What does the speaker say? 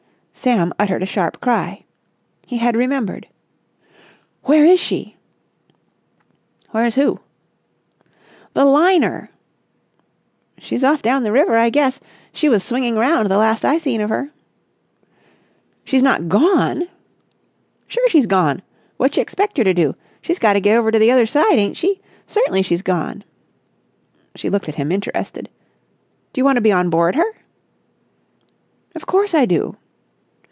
Sam uttered a sharp cry. He had remembered. "Where is she?" "Where's who?" "The liner." "She's off down the river, I guess. She was swinging round, the last I seen of her." "She's not gone!" "Sure she's gone. Wotcha expect her to do? She's gotta get over to the other side, ain't she? Cert'nly she's gone." She looked at him interested. "Do you want to be on board her?" "Of course I do."